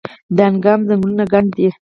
دانګام ځنګلونه ګڼ دي؟